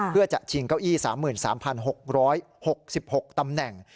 เพื่อจะชิงเก้าอี้๓๓๖๖ตำแหน่ง